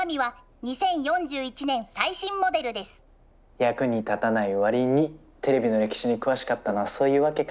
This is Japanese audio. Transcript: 役に立たないわりにテレビの歴史に詳しかったのはそういうわけか。